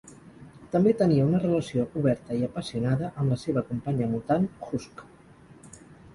També tenia una relació oberta i apassionada amb la seva companya mutant Husk.